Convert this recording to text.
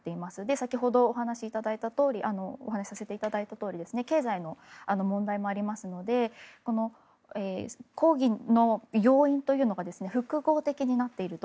先ほどお話しさせていただいたとおり経済の問題もありますので抗議の要因というのが複合的になっていると。